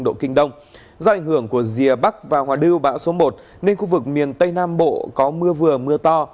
do ảnh hưởng của rìa bắc và hòa lưu bão số một nên khu vực miền tây nam bộ có mưa vừa mưa to